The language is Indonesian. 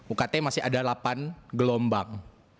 ukt masih ada delapan gelombang